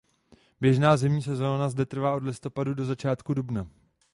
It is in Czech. Běžná zimní sezóna zde trvá od listopadu do začátku dubna.